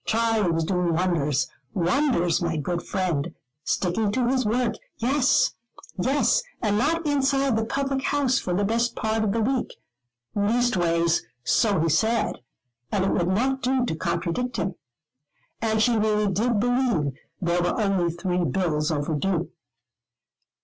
Charley was doing wonders, wonders, my good friend, sticking to his work, yes, yes, and not inside the public house for the best part of the week. Leastways so he said, and it would not do to contradict him. And she really did believe there were only three bills over due!